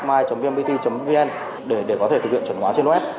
my vnpt vn để có thể thực hiện chuẩn hóa trên web